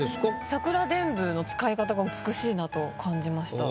桜でんぶの使い方が美しいなと感じました。